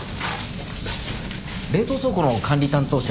冷凍倉庫の管理担当者